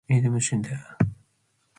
aid mishenda